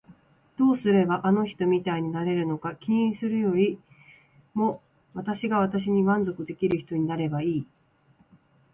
どうすればあの人みたいになれるか気にするよりも私が私に満足できる人になればいい。